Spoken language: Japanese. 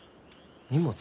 荷物？